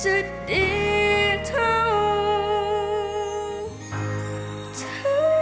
จะดีเท่าเธอ